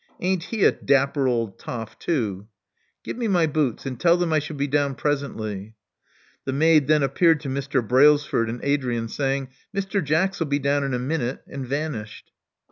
Ain't he a dapper old toff, too!" Give me my boots; and tell them I shall be down presently." The maid then appeared to Mr. Brailsford and Adrian, saying, Mr. Jax'U be down in a minnit," and vanished.